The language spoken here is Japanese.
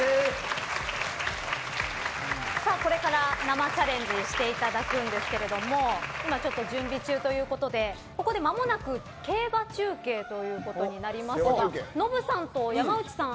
これから生チャレンジしていただくんですけども今、準備中ということでここでまもなく競馬中継ということになりますがノブさんと山内さん